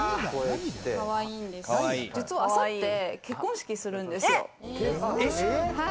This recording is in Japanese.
実は明後日、結婚式するんですよ。